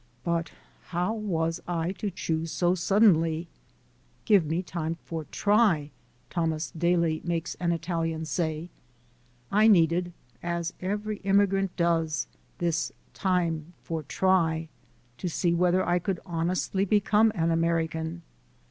But how was I to choose so suddenly? "Give me time for try," Thomas Daly makes an Italian say. I needed, as every immigrant does, this "time for try," to see whether I could honestly become an American.